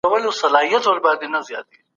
ما د مسلمانانو د بریا په اړه یو نوی تاریخ ولوستی.